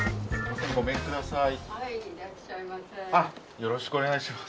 よろしくお願いします。